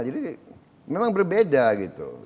jadi memang berbeda gitu